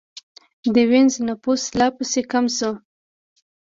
د وینز نفوس لا پسې کم شو